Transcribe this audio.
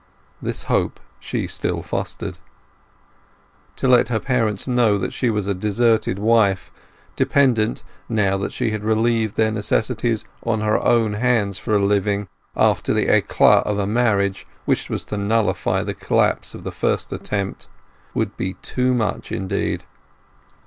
This hope she still fostered. To let her parents know that she was a deserted wife, dependent, now that she had relieved their necessities, on her own hands for a living, after the éclat of a marriage which was to nullify the collapse of the first attempt, would be too much indeed.